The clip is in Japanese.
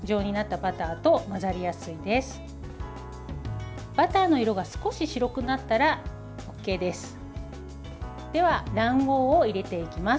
バターの色が少し白くなったらＯＫです。